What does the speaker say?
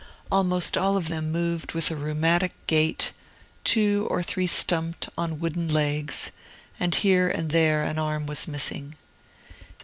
Almost all of them moved with a rheumatic gait, two or three stumped on wooden legs, and here and there an arm was missing.